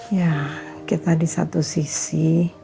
ya kita disatu sisi